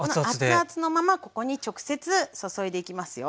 熱々のままここに直接注いでいきますよ。